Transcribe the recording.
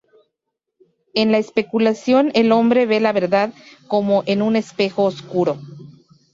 En la especulación el hombre ve la verdad como en un espejo oscuro.